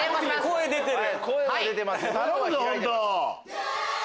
声出てる。